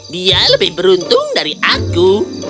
dia lebih beruntung dari aku